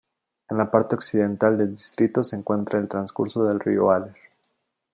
En la parte occidental del distrito se encuentra el transcurso del río Aller.